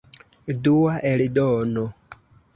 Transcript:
Dua eldono.